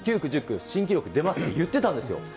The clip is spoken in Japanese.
９区、１０区、新記録出ますと言ってたんですよ。